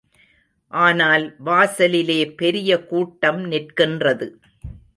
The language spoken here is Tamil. ஆனால் வாசலிலே பெரிய கூட்டம் நிற்கின்றது.